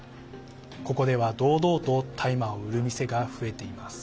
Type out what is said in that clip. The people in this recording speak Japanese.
ここでは堂々と大麻を売る店が増えています。